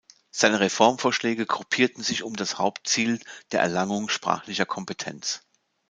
Seine Reformvorschläge gruppierten sich um das Hauptziel der Erlangung sprachlicher Kompetenz.